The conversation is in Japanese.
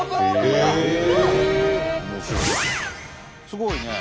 すごいね。